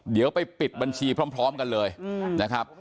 เดี๋ยวไปปิดบัญชีพร้อมกันเลยนะครับ